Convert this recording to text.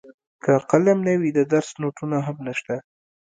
که قلم نه وي د درس نوټونه هم نشته.